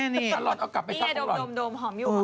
นี่นะดมก็ดมดมมดมหอมอยู่